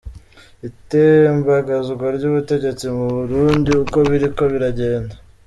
Itembagazwa ry'ubutegetsi mu Burundi: uko biriko biragenda.